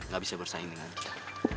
gak bisa bersaing dengan kita